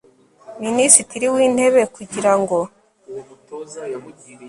minisitiri w intebe kugira ngo